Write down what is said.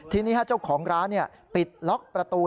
ทีนี้เจ้าของร้านปิดล็อกประตู